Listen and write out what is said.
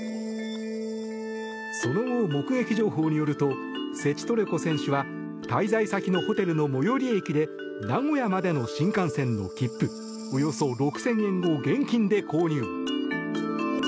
その後、目撃情報によるとセチトレコ選手は滞在先のホテルの最寄り駅で名古屋までの新幹線の切符およそ６０００円を現金で購入。